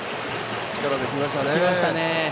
力できましたね。